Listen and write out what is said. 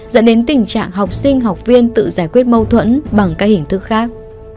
dẫn đến tình trạng học sinh học viên tự giải quyết mâu thuẫn bằng các hình thức khác